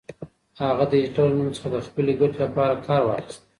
هغه د هېټلر له نوم څخه د خپلې ګټې لپاره کار واخيست.